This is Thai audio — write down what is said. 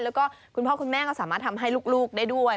แล้วก็คุณพ่อคุณแม่ก็สามารถทำให้ลูกได้ด้วย